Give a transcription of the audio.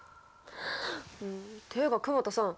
ていうか久保田さん